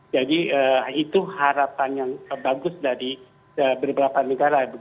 jadi itu harapan yang bagus dari beberapa negara